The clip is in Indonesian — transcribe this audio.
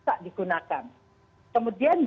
tak digunakan kemudian dia